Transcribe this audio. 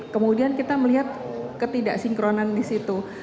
kemudian kita melihat ketidaksinkronan di situ